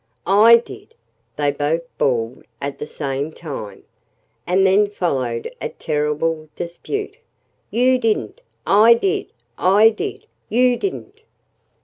"I did!" they both bawled at the same time. And then followed a terrible dispute: _"You didn't! I did! I did! You didn't!"